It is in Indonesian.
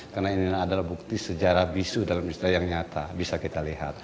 karena ini adalah bukti sejarah bisu dalam istilah yang nyata bisa kita lihat